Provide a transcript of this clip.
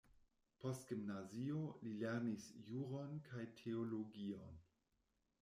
Post gimnazio li lernis juron kaj teologion.